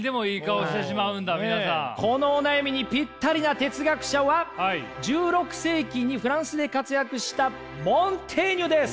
このお悩みにぴったりな哲学者は１６世紀にフランスで活躍したモンテーニュです！